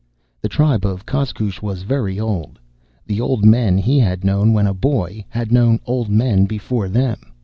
The tribe of Koskoosh was very old. The old men he had known when a boy, had known old men before them.